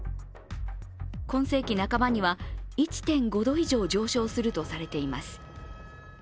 今世紀半ばには１．５度以上上昇するとされています。